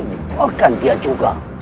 malkan dia juga